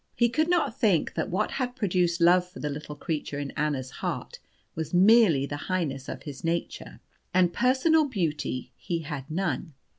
He could not think that what had produced love for the little creature in Anna's heart was merely the highness of his nature; and personal beauty he had none.